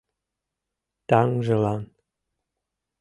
— Таҥжылан.